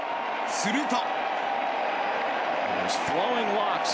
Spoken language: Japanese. すると。